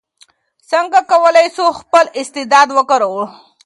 څنګه کولای سو خپل استعداد وکاروو؟